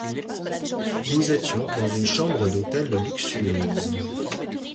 Nous étions dans une chambre d’hôtel luxueuse.